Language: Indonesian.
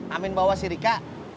amin bawa si rika